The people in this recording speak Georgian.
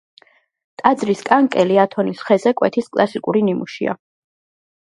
ტაძრის კანკელი ათონის ხეზე კვეთის კლასიკური ნიმუშია.